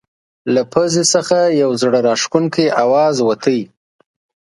له پزې نه یو زړه راښکونکی اواز وتله.